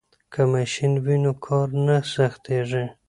که ماشین وي نو کار نه سختیږي.